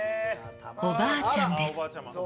おばあちゃんです」